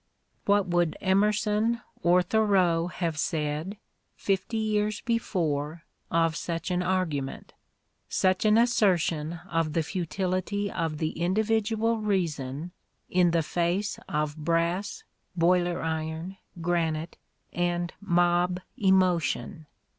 What would Emerson or Thoreau have said, fifty years before, of such an argument, such an assertion of the futility of the individual reason in the face of "brass, boiler iron, gi'anite" and mob emotion?